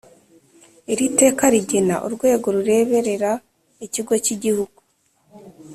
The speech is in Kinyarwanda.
Iri teka rigena Urwego rureberera Ikigo cy Igihugu